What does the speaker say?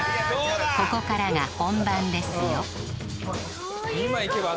ここからが本番ですよ